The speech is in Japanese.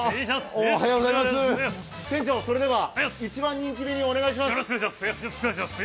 店長、それでは一番人気メニューをお願いします。